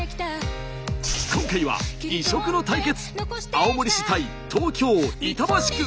今回は異色の対決。